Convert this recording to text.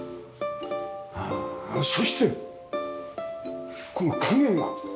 そしてこの影が。